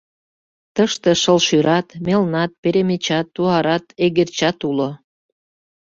Тыште шыл шӱрат, мелнат, перемечат, туарат, эгерчат уло.